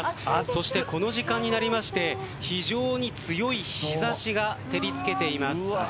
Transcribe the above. そして、この時間になりまして非常に強い日差しが照り付けています。